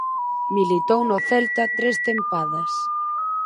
Militou no Celta tres tempadas.